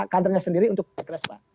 kadernya sendiri untuk keras pak